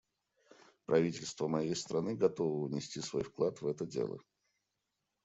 Правительство моей страны готово внести свой вклад в это дело.